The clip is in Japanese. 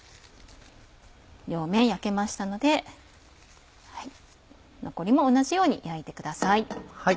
両面焼けましたので残りも同じように焼いてください。